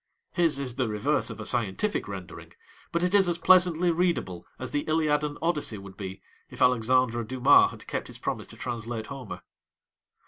His is the reverse of a scientific rendering, but it is as pleasantly readable as the Iliad and Odyssey would be if Alexandre Dumas had kept his promise to translate Homer.